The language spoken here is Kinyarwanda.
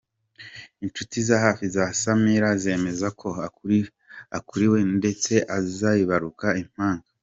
Inshuti za hafi za Samira zemeza ko akuriwe ndetse azibaruka impanga.